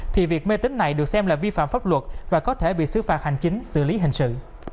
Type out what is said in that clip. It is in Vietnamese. thì việc mê tính này được xem là vi phạm pháp luật và có thể bị xứ phạt hành chính xử lý hình sự